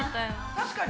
確かに。